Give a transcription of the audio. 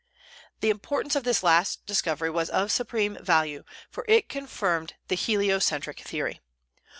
The importance of this last discovery was of supreme value, for it confirmed the heliocentric theory.